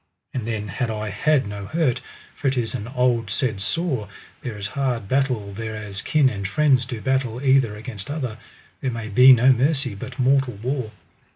And then had I had no hurt, for it is an old said saw, there is hard battle thereas kin and friends do battle either against other, there may be no mercy but mortal war.